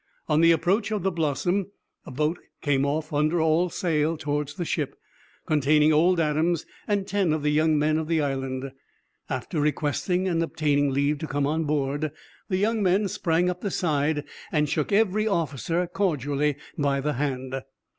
On the approach of the Blossom, a boat came off under all sail towards the ship, containing old Adams and ten of the young men of the island. After requesting and obtaining leave to come on board, the young men sprung up the side, and shook every officer cordially by the hand.